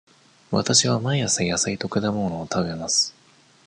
わたしは毎朝野菜と果物を食べます。